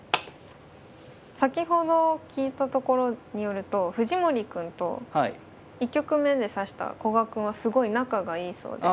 先ほど聞いたところによると藤森くんと１局目で指した古賀くんはすごい仲がいいそうです。